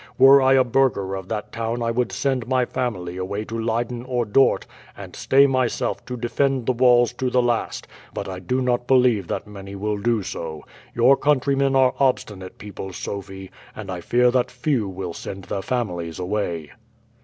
Were I a burgher of that town I would send my family away to Leyden or Dort and stay myself to defend the walls to the last, but I do not believe that many will do so. Your countrymen are obstinate people, Sophie, and I fear that few will send their families away."